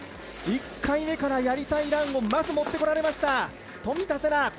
１回目からやりたいランをまず、持ってこれました冨田せな。